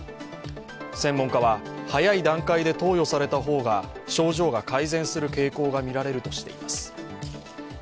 専門家は、早い段階で投与された方が症状が改善する傾向がみられるとしています。